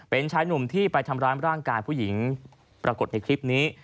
เป็นชายหนุ่มที่ไปทำร้ายร่างกายผู้หญิงปรากฏในคลิปนี้